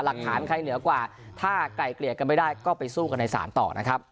หลักฐานใครเหนือกว่าถ้าไกลเกลี่ยกันไม่ได้ก็ไปสู้กันในศาลต่อนะครับ